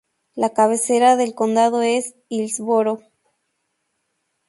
La cabecera del condado es Hillsboro.